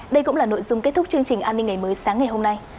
đây cũng là nội dung kết thúc chương trình an ninh ngày mới sáng ngày hôm nay